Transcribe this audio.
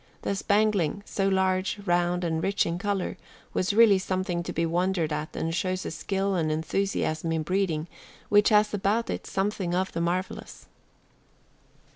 The spangling, so large, round, and rich in color, was really something to be wondered at and shows a skill and enthusiasm in breeding which has about it something of the marvelous.